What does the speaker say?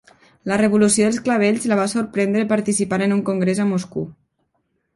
La revolució dels clavells la va sorprendre participant en un congrés a Moscou.